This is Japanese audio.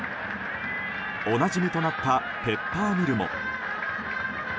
おなじみとなったペッパーミルも。